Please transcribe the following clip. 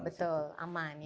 betul aman ya